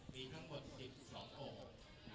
มีทั้งหมด๑๒โหต